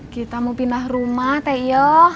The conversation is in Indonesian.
kita mau pindah rumah teh iyo